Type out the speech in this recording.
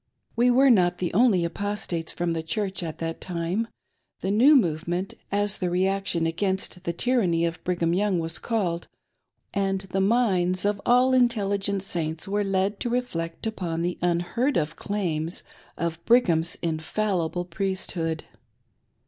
We were not the only Apostates from the Church at that time. The New Movement, as the reaction against the tyranny of Brigham Young was called, was then in progress ; and the minds of all intelligent Saints were led to reflect upon the unheard of claims of Brigham's " Infallible " Priesthood.